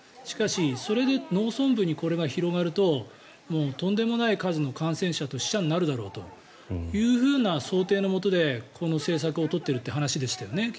しかしそれで農村部にこれが広がるととんでもない数の感染者と死者になるだろうという想定のもとでこの政策を取っているという話でしたよね。